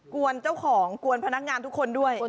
วนเจ้าของกวนพนักงานทุกคนด้วย